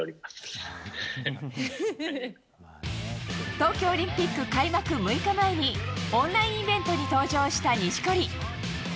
東京オリンピック開幕６日前にオンラインイベントに登場した錦織。